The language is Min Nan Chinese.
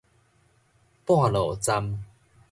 半路站